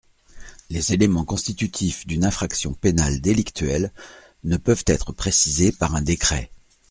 Les éléments constitutifs d’une infraction pénale délictuelle ne peuvent être précisés par un décret.